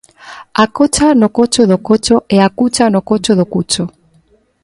A cocha no cocho do cocho e a cucha no cocho do cucho